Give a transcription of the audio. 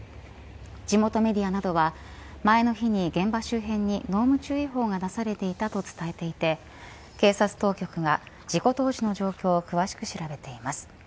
地元メディアなどは前の日に現場周辺に濃霧注意報が出されていたと伝えていて警察当局が事故当時の状況を詳しく調べています。